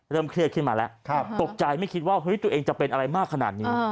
เครียดขึ้นมาแล้วตกใจไม่คิดว่าเฮ้ยตัวเองจะเป็นอะไรมากขนาดนี้